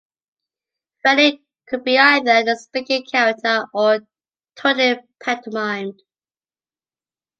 Freddie could be either a speaking character or totally pantomimed.